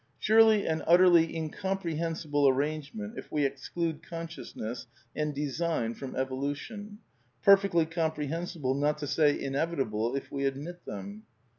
^® Surely an utterly incomprehensible arrangement if we exclude consciousness and design from evolution; per fectly comprehensible, not to say inevitable if we admit them."